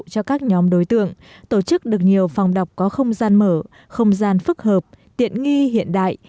cho các nhóm đối tượng tổ chức được nhiều phòng đọc có không gian mở không gian phức hợp tiện nghi hiện đại